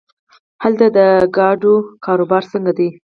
دلته د ګاډو کاروبار څنګه دی؟